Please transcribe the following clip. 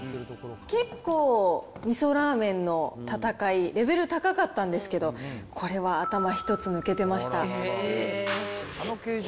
結構、みそラーメンの戦い、レベル高かったんですけれども、これは頭１つ抜けてました。